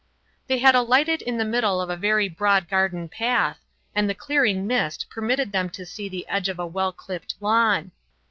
They had alighted in the middle of a very broad garden path, and the clearing mist permitted them to see the edge of a well clipped lawn.